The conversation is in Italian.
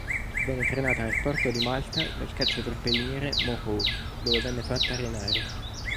Venne trainata nel porto di Malta dal cacciatorpediniere "Mohawk" dove venne fatta arenare.